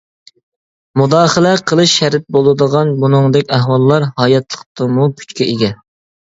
مۇداخىلە قىلىش شەرت بولىدىغان بۇنىڭدەك ئەھۋاللار، ھاياتلىقتىمۇ كۈچكە ئىگە.